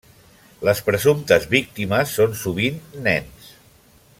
Les presumptes víctimes són sovint nens.